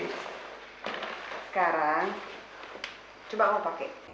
sekarang coba aku mau pakai